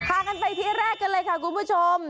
พากันไปที่แรกกันเลยค่ะคุณผู้ชม